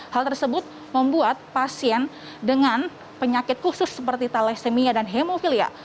hal tersebut membuat pasien dengan penyakit khusus seperti thalassemia dan hemofilia